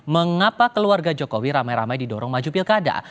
mengapa keluarga jokowi ramai ramai didorong maju pilkada